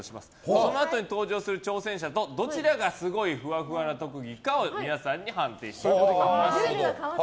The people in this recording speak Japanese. そのあとに登場する挑戦者とどちらがすごいふわふわな特技かを皆さんに判定していただきます。